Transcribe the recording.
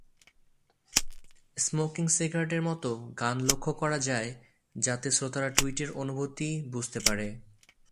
"Smoking cigarette" এর মতো গান লক্ষ্য করা যায়, যাতে শ্রোতারা টুইটের অনুভূতি বুঝতে পারে।